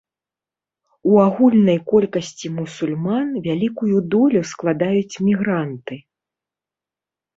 У агульнай колькасці мусульман вялікую долю складаюць мігранты.